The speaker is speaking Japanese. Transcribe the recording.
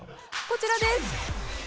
こちらです。